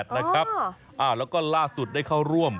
แล้วก็ล่าสุดได้เข้าร่วม